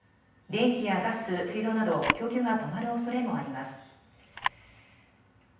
電気やガス、水道など供給が止まるおそれもあります。